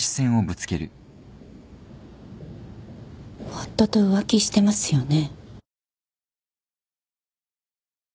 夫と浮気してますよね？